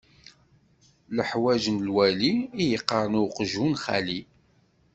Lḥewj n lwali i yeqqaṛen i uqjun xali.